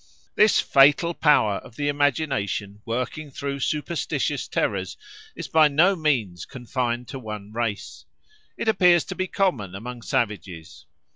This fatal power of the imagination working through superstitious terrors is by no means confined to one race; it appears to be common among savages.